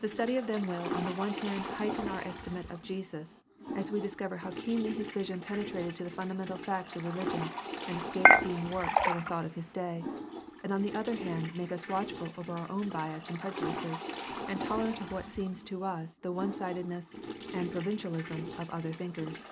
The study of them will on the one hand heighten our estimate of Jesus, as we discover how keenly his vision penetrated to the fundamental facts of religion and escaped being warped by the thought of his day, and on the other hand make us watchful of our own bias and prejudices and tolerant of what seems to us the one sidedness and provin cialism of other thinkers.